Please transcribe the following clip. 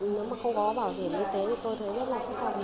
nếu mà không có bảo hiểm y tế thì tôi thấy rất là khó khăn